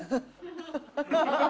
「ハハハハ！